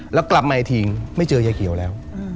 แล้วกลับมาอีกทีไม่เจอยายเขียวแล้ว